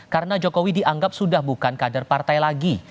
karena jokowi dianggap sudah bukan kader partai lagi